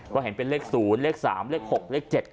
ก็เห็นเป็นเลข๐เลข๓เลข๖เลข๗